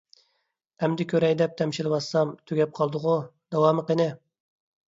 ئەمدى كۆرەي دەپ تەمشىلىۋاتسام، تۈگەپ قالدىغۇ. داۋامى قېنى؟